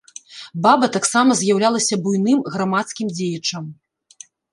Баба таксама з'яўляўся буйным грамадскім дзеячам.